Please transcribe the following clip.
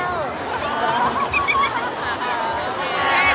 อ่า